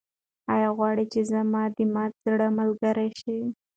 ایا غواړې چې زما د مات زړه ملګرې شې؟